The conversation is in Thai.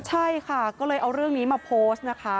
ใช่ค่ะก็เลยเอาเรื่องนี้มาโพสต์นะคะ